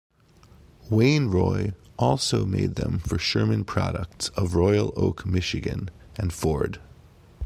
Wain-Roy also made them for Sherman Products of Royal Oak, Michigan, and Ford.